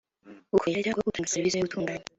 ukoresha cyangwa utanga serivisi yo gutunganya